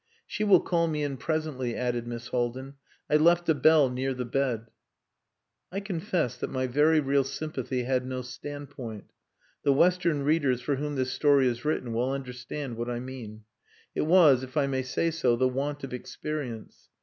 "She will call me in presently," added Miss Haldin. "I left a bell near the bed." I confess that my very real sympathy had no standpoint. The Western readers for whom this story is written will understand what I mean. It was, if I may say so, the want of experience.